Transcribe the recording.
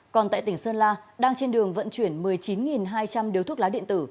còn tại tỉnh sơn la đang trên đường vận chuyển một mươi chín hai trăm linh điếu thuốc lá điện tử